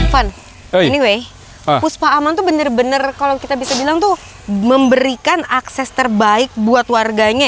van anyway puspa aman itu bener bener kalau kita bisa bilang tuh memberikan akses terbaik buat warganya ya